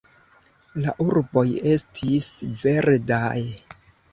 La urboj estis verdaj.